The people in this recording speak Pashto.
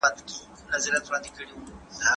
ژوند ارزښتناک دی.